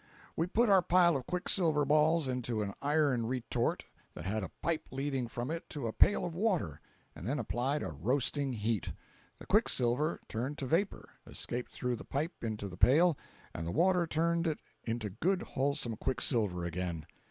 We put our pile of quicksilver balls into an iron retort that had a pipe leading from it to a pail of water, and then applied a roasting heat. The quicksilver turned to vapor, escaped through the pipe into the pail, and the water turned it into good wholesome quicksilver again.